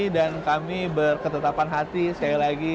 dan kami berketetapan hati sekali lagi